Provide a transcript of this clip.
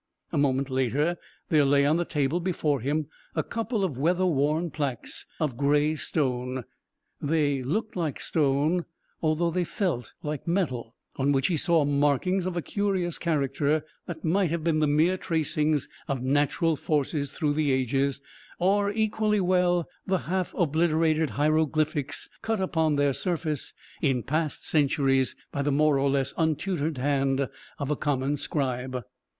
A moment later there lay on the table before him a couple of weather worn plaques of grey stone they looked like stone, although they felt like metal on which he saw markings of a curious character that might have been the mere tracings of natural forces through the ages, or, equally well, the half obliterated hieroglyphics cut upon their surface in past centuries by the more or less untutored hand of a common scribe.